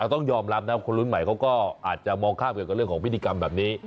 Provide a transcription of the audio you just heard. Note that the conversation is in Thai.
ต้องยอมรับนะคนรุ่นใหม่เขาก็อาจจะมองข้ามเกี่ยวกับเรื่องของพิธีกรรมแบบนี้